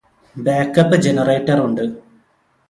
back up ജനറേറ്ററുണ്ട്